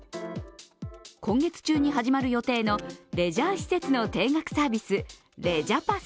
今月中に始まる予定のレジャー施設の定額サービスレジャパス！